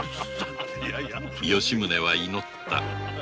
吉宗は祈った。